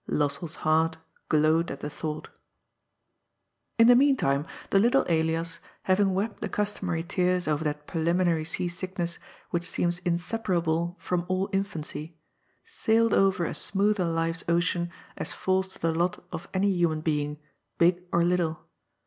Lossell's heart glowed at the thought. SHOWS THAT THE STORY. BTC. 17 In the meantime the little Elias, having wept the customary tears over that preliminary sea sickness which seems inseparable from all infancy, sailed over as smooth a life's ocean as falls to the lot of any human being, big or little.